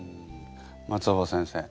松尾葉先生。